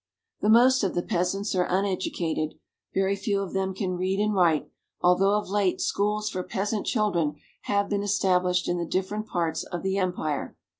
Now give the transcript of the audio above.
The most of the peasants are uneducated. Very few of them can read and write, although of late schools for peasant children have been established in the different parts of the empire.